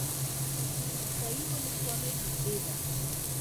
د موسهي ولسوالۍ نږدې ده